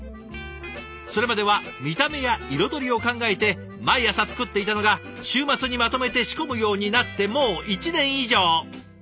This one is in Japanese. それまでは見た目や彩りを考えて毎朝作っていたのが週末にまとめて仕込むようになってもう１年以上。